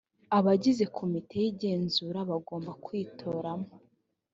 abagize komite y igenzura bagomba kwitoramo